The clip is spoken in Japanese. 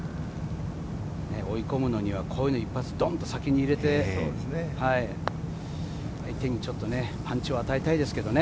追い込むのには、こういうの一発ドンと入れて、相手にちょっとパンチを与えたいですけどね。